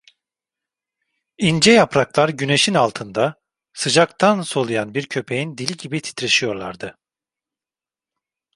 İnce yapraklar güneşin altında, sıcaktan soluyan bir köpeğin dili gibi titreşiyorlardı.